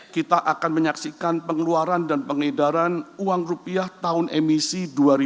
kita akan menyaksikan pengeluaran dan pengedaran uang rupiah tahun emisi dua ribu dua puluh